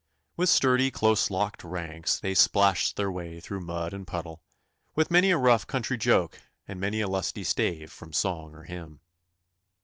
With sturdy close locked ranks they splashed their way through mud and puddle, with many a rough country joke and many a lusty stave from song or hymn.